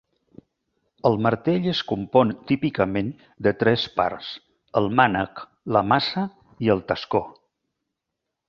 El martell es compon típicament de tres parts: el mànec, la maça i el tascó.